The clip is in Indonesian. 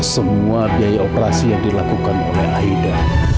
semua biaya operasi yang dilakukan oleh aida